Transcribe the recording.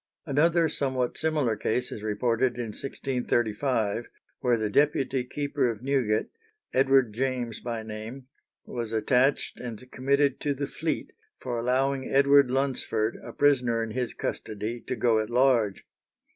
Another somewhat similar case is reported in 1635, where the deputy keeper of Newgate, Edward James by name, was attached and committed to the Fleet for allowing Edward Lunsford, a prisoner in his custody, to go at large.